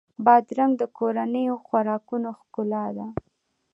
بادرنګ د کورنیو خوراکونو ښکلا ده.